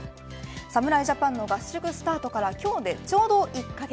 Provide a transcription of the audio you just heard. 侍ジャパンの合宿スタートから今日でちょうど１カ月。